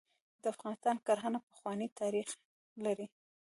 د افغانستان کرهڼه پخوانی تاریخ لري .